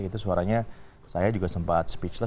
itu suaranya saya juga sempat speechles